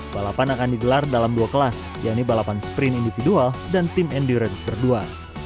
balapan akan digelar dalam dua kelas yaitu balapan sprint individual dan team endurance berdua